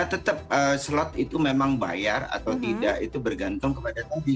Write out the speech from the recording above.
tetap slot itu memang bayar atau tidak itu bergantung kepada tadi